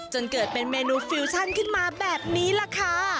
จนเกิดเป็นเมนูฟิวชั่นขึ้นมาแบบนี้ล่ะค่ะ